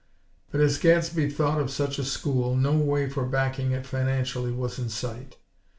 But as Gadsby thought of such a school, no way for backing it financially was in sight.